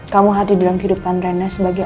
kamu hadir dalam kehidupan rina sebagai